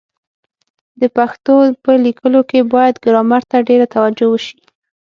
د پښتو په لیکلو کي بايد ګرامر ته ډېره توجه وسي.